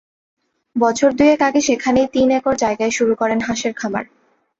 বছর দুয়েক আগে সেখানেই তিন একর জায়গায় শুরু করেন হাঁসের খামার।